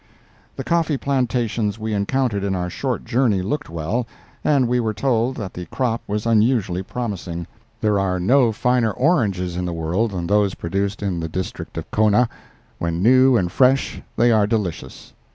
The coffee plantations we encountered in our short journey looked well, and we were told that the crop was unusually promising. There are no finer oranges in the world than those produced in the district of Kona; when new and fresh they are delicious.